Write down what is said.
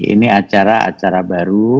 ini acara acara baru